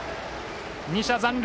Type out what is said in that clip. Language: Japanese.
２者残塁。